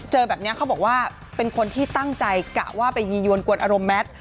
เจอแบบนี้เขาบอกว่าเป็นคนที่ตั้งใจกะว่าไปยียวนกวนอารมณ์แมท